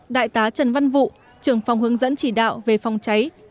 đại tá trần văn vụ trưởng phòng hướng dẫn chỉ đạo về phòng cháy